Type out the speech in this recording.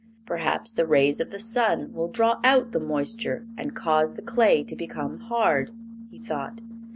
"Perhaps the rays of the sun will draw out the moisture and cause the clay to become hard," he thought.